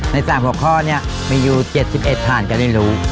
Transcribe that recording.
ใน๓๖ข้อมีอยู่๗๑ฐานจะได้รู้